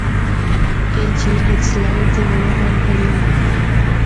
اے جھیل ہک سلائیڈ دے ہونڑا نال بنڑی ہے۔